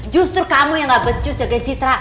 justru kamu yang gak becus jaga citra